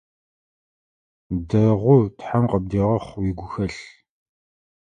Дэгъу, тхьэм къыбдегъэхъу уигухэлъ!